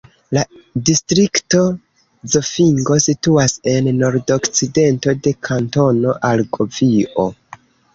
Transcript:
La distrikto Zofingo situas en nordokcidento de Kantono Argovio.